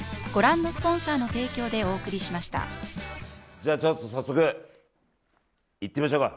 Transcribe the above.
じゃあちょっと早速いってみましょうか。